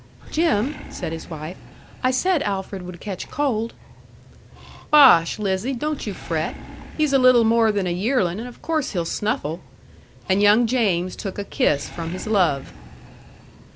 "Jim," said his wife, "I said Alfred would catch cold." "Bosh! Lizzie, don't you fret. He's a little more than a yearlin', and of course he'll snuffle." And young James took a kiss from his love.